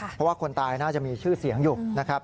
เพราะว่าคนตายน่าจะมีชื่อเสียงอยู่นะครับ